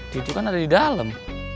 cucu kan ada di dalam